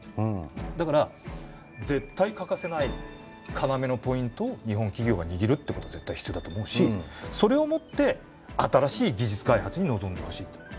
だから絶対欠かせない要のポイントを日本企業が握るってことは絶対必要だと思うしそれをもって新しい技術開発に臨んでほしいと。